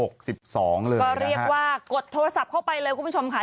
ก็เรียกว่ากดโทรศัพท์เข้าไปเลยคุณผู้ชมค่ะ